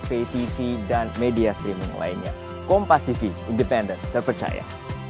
pvc dan media streaming lainnya kompas tv independen terpercaya